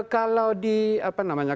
kalau di apa namanya